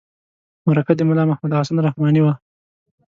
مرکه د ملا محمد حسن رحماني وه.